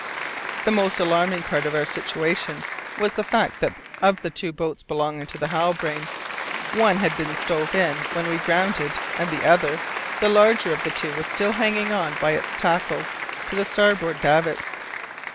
The most alarming part of our situation was the fact that of the two boats belonging to the Halbrane, one had been stove in when we grounded, and the other, the larger of the two, was still hanging on by its tackles to the starboard davits.